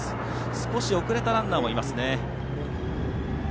少し遅れたランナーもいますね。